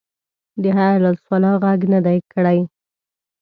د حی علی الصلواه غږ نه دی کړی.